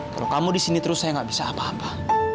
kalau kamu disini terus saya gak bisa apa apa